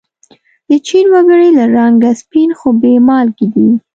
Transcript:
د چین و گړي له رنگه سپین خو بې مالگې دي.